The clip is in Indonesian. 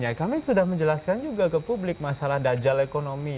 ya kami sudah menjelaskan juga ke publik masalah dajal ekonomi